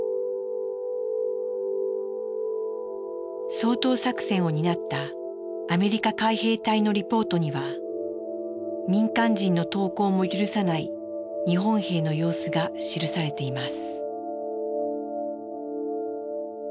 掃討作戦を担ったアメリカ海兵隊のリポートには民間人の投降も許さない日本兵の様子が記されています。